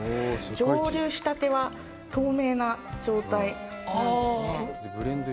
蒸留したては透明な状態なんですね。